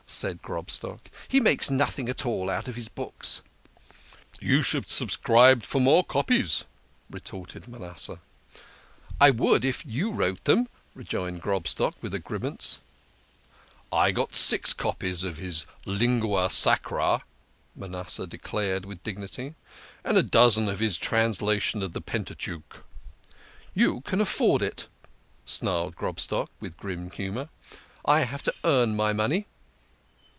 cried Grob stock. " He makes nothing at all out of his books." "You should subscribe for more copies," retorted Ma nasseh. 50 THE KING OF SCHNORRERS. " I would if you wrote them," rejoined Grobstock, with a grimace. " I got six copies of his Lingua Sacra" Manasseh de clared with dignity, " and a dozen of his translation of the Pentateuch." " You can afford it !" snarled Grobstock, with grim humour. " I have to earn my money."